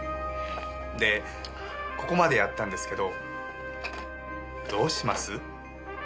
でここまでやったんですけどどうします？